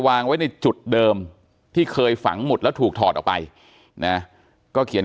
วางไว้ในจุดเดิมที่เคยฝังหุดแล้วถูกถอดออกไปนะก็เขียน